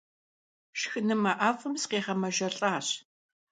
Шхынымэ ӏэфӏым сыкъигъэмэжэлӏащ.